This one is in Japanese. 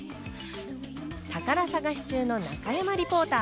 宝探し中の中山リポーター。